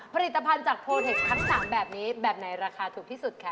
ผลิตภัณฑ์จากโพเทคทั้ง๓แบบนี้แบบไหนราคาถูกที่สุดคะ